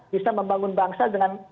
bisa membangun bangsa dengan